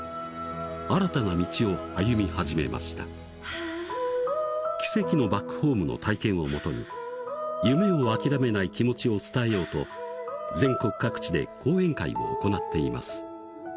新たな道を歩み始めました奇跡のバックホームの体験をもとに夢を諦めない気持ちを伝えようと全国各地で講演会を行っています